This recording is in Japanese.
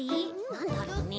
なんだろうね。